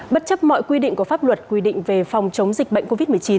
bất chấp mọi quy định của pháp luật quy định về phòng chống dịch bệnh covid một mươi chín